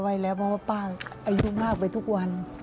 เพราะว่าป้าอายุมากไปทุกวัน